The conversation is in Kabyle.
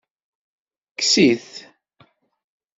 Kkes-it.